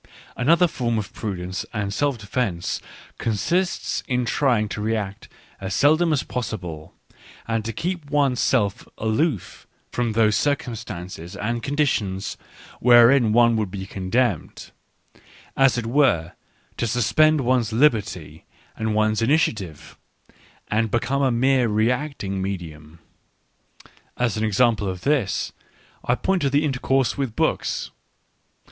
... Another form of prudence and self defence con sists in trying to react as seldom as possible, and to keep one's self aloof from those circumstances and conditions wherein one would be condemned, as it were, to suspend one's " liberty " and one's initiative, and become a mere reacting medium. Digitized by Google 48 ECCE HOMO As an example of this I point to the intercourse with books.